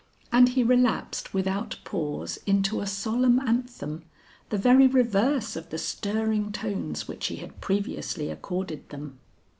And he relapsed without pause into a solemn anthem, the very reverse of the stirring tones which he had previously accorded them.